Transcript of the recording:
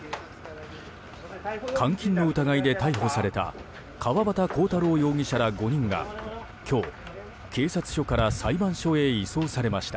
監禁の疑いで逮捕された川端浩太郎容疑者ら５人が今日、警察署から裁判所へ移送されました。